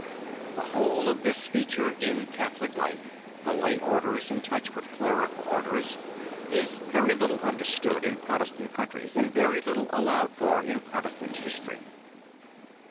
The whole of this fea ture in Catholic life, the lay orders in touch with clerical orders, is very little understood in Protestant countries and very little allowed for in Protestant history.